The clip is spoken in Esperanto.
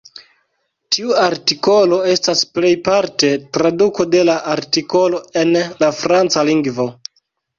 Tiu artikolo estas plejparte traduko de la artikolo en la franca lingvo.